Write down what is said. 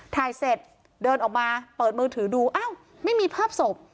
ถ่ายเสร็จเดินออกมาเปิดมือถือดูอ้าวไม่มีภาพศพ